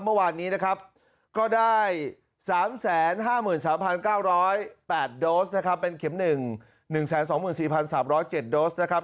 เมื่อวานนี้นะครับก็ได้๓๕๓๙๐๘โดสนะครับเป็นเข็ม๑๒๔๓๐๗โดสนะครับ